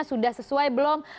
sudah sesuai belum